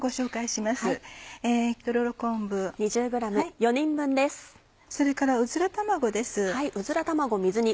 それからうずら卵です。